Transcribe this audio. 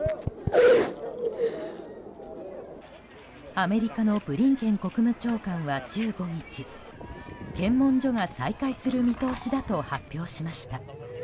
アメリカのブリンケン国務長官は、１５日検問所が再開する見通しだと発表しました。